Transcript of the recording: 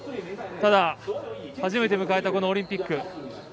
ただ、初めて迎えたこのオリンピック。